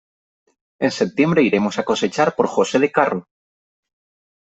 En septiembre iremos a cosechar por José de Carro.